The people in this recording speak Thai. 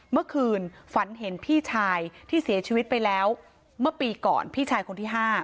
เมื่อคืนฝันเห็นพี่ชายที่เสียชีวิตไปแล้วเมื่อปีก่อนพี่ชายคนที่๕